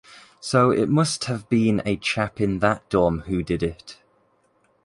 So it must have been a chap in that dorm who did it.